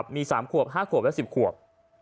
มี๓ขวบ๕ขวบและ๑๐ขวบ